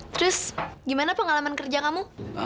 terus gimana pengalaman kerja kamu